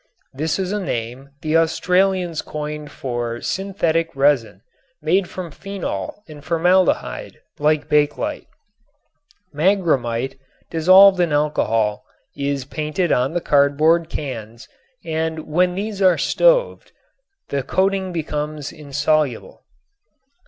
This is a name the Australians coined for synthetic resin made from phenol and formaldehyde like bakelite. Magramite dissolved in alcohol is painted on the cardboard cans and when these are stoved the coating becomes insoluble.